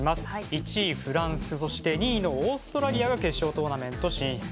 １位フランス、そして２位のオーストラリアが決勝トーナメント進出。